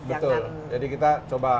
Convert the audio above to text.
betul jadi kita coba